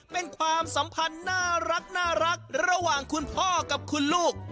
เป็นความสัมพันธ์น่ารักระหว่างคุณพ่อกับคุณลูก